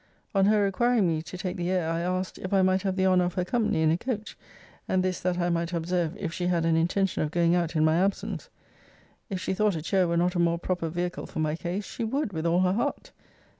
On her requiring me to take the air, I asked, If I might have the honour of her company in a coach; and this, that I might observe if she had an intention of going out in my absence. If she thought a chair were not a more proper vehicle for my case, she would with all her heart!